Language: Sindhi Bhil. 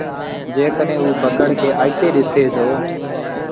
جڏهيݩٚ اوٚ بگھڙ کي آئيٚتي ڏسي دو